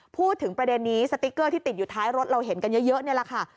พูดถึงประเด็นนี้สติ๊กเกอร์ที่ติดอยู่ท้ายรถเราเห็นกันเยอะนี่แหละค่ะ